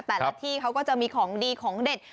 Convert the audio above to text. แต่ละที่เขาก็จะมีของดีของเด็ด